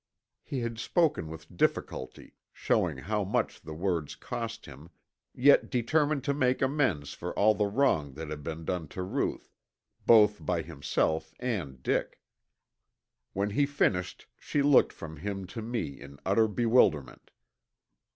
He had spoken with difficulty, showing how much the words cost him, yet determined to make amends for all the wrong that had been done to Ruth, both by himself and Dick. When he finished she looked from him to me in utter bewilderment.